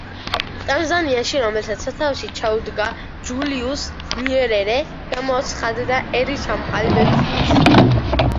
ტანზანიაში, რომელსაც სათავეში ჩაუდგა ჯულიუს ნიერერე, გამოცხადდა ერის ჩამოყალიბების კურსი.